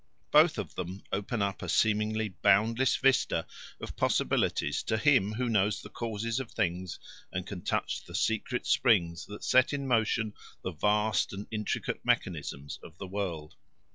Both of them open up a seemingly boundless vista of possibilities to him who knows the causes of things and can touch the secret springs that set in motion the vast and intricate mechanism of the world.